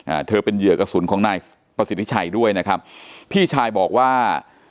อ่าเธอเป็นเหยื่อกระสุนของนายประสิทธิชัยด้วยนะครับพี่ชายบอกว่า